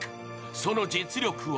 その実力は？